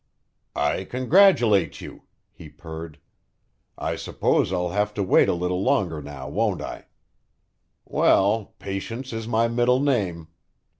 "I congratulate you," he purred. "I suppose I'll have to wait a little longer now, won't I? Well patience is my middle name.